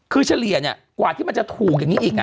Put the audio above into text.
คือเฉลี่ยกว่าที่มันจะถูกอย่างนี้อีก